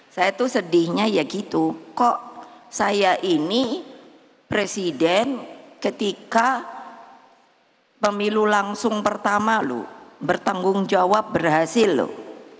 saya tuh sedihnya ya gitu kok saya ini presiden ketika pemilu langsung pertama loh bertanggung jawab berhasil loh